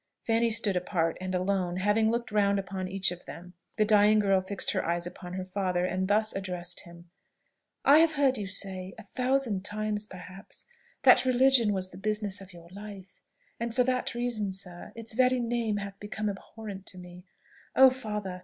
Fanny stood apart, and alone; and having looked round upon each of them, the dying girl fixed her eyes upon her father, and thus addressed him, "I have heard you say a thousand times perhaps that religion was the business of your life; and for that reason, sir, its very name hath become abhorrent to me. Oh, father!